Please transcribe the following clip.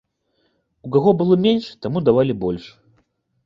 У каго было менш, таму давалі больш.